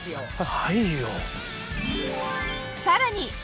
ないよ。